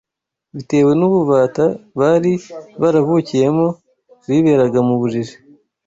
Bitewe n’ububata bari baravukiyemo biberaga mu bujiji